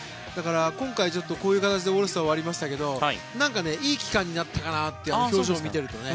今回、こういう形でオールスターは終わりましたけどいい期間になったかなって表情を見ているとね。